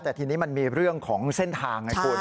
แต่ทีนี้มันมีเรื่องของเส้นทางไงคุณ